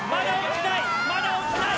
まだ落ちない！